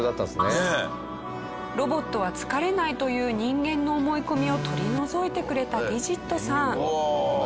ロボットは疲れないという人間の思い込みを取り除いてくれたＤｉｇｉｔさん。